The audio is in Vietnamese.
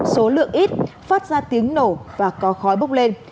số lượng ít phát ra tiếng nổ và có khói bốc lên